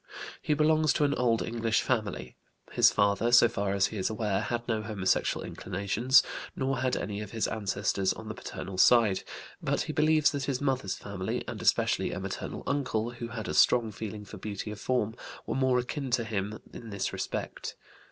He belongs to an old English family; his father, so far as he is aware, had no homosexual inclinations, nor had any of his ancestors on the paternal side; but he believes that his mother's family, and especially a maternal uncle who had a strong feeling for beauty of form, were more akin to him in this respect.